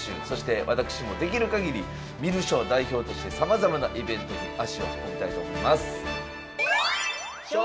そして私もできるかぎり観る将代表としてさまざまなイベントに足を運びたいと思います。